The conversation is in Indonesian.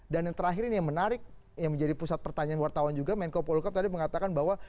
dan yang terakhir ini yang menarik yang menjadi pusat pertanyaan wartawan juga menko polhuka tadi mengatakan bahwa